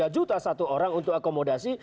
tiga juta satu orang untuk akomodasi